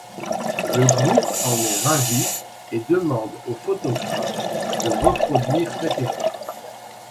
Le groupe en est ravi et demande au photographe de reproduire cet effet.